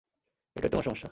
এটাই তোমার সমস্যা।